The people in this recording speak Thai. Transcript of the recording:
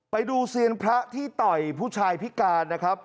เซียนพระที่ต่อยผู้ชายพิการนะครับ